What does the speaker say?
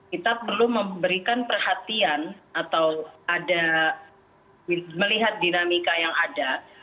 kita perlu memberikan perhatian atau ada melihat dinamika yang ada